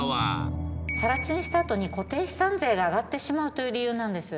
更地にしたあとに固定資産税が上がってしまうという理由なんです。